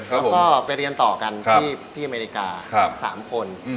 แล้วก็ไปเรียนต่อกันที่อเมริกา๓คน